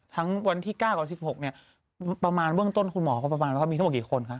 ทั้งวันที่๙กับวันที่๑๖เนี้ยประมาณเบื้องต้นคุณหมอก็ประมาณแล้วก็มีทั้งหมดกี่คนคะ